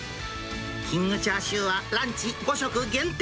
キングチャーシューは、ランチ５食限定。